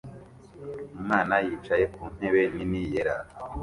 Umwana yicaye ku ntebe nini yera